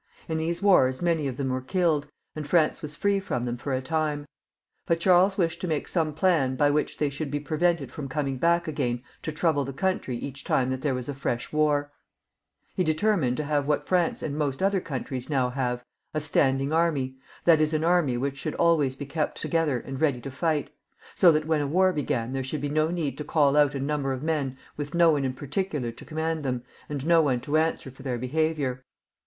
In these wars many of them were killed, and France was free from them for a time ; but Charles wished to make some plan by which they should be prevented from coming back again to trouble the country each time that there was a fresh war. He settled to have what we have now in England, and what France and most other countries also have, a stand ing army — ^that is, an army which should always be kept to gether and ready to fight — so that when a war began there should be no need to call out a number of men with no one special to command them, and no one to answer for their behaviour.